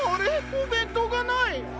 おべんとうがない！